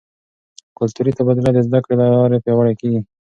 کلتوري تبادله د زده کړې له لارې پیاوړې کیږي.